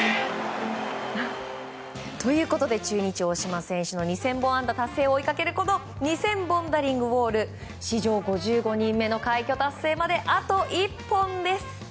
ということで中日、大島選手の２０００本安打達成を追いかける２０００ボンダリングウォール史上５５人目の快挙達成まであと１本です。